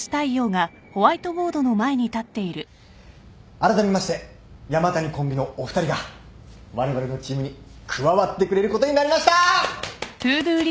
あらためまして山谷コンビのお二人がわれわれのチームに加わってくれることになりました！